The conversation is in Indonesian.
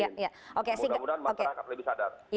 semoga masyarakat lebih sadar